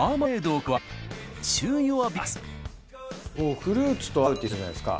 こうフルーツと合うって言ってたじゃないですか。